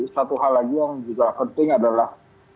satu hal lagi yang juga penting adalah